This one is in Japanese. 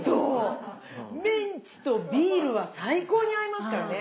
メンチとビールは最高に合いますからね！